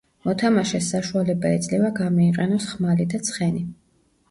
მოთამაშეს საშუალება ეძლევა, გამოიყენოს ხმალი და ცხენი.